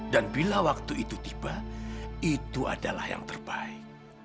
dan bila waktu itu tiba itu adalah yang terbaik